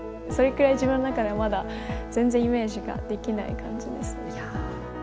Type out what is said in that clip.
それくらい自分の中ではまだ全然イメージができない感じですね。